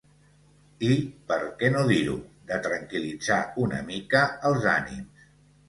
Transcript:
I, per què no dir-ho, de tranquil·litzar una mica els ànims.